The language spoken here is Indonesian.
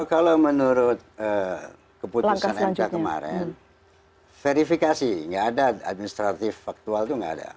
kalau menurut keputusan nk kemarin verifikasi administratif faktual itu nggak ada